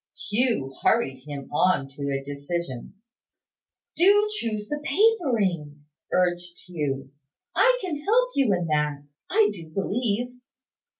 Hugh hurried him on to a decision. "Do choose the papering," urged Hugh. "I can help you in that, I do believe.